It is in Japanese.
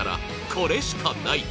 これしかない！